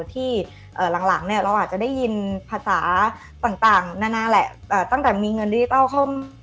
ที่หลังเราอาจจะได้ยินภาษาต่างนานาแหละตั้งแต่มีเงินดิจกรรม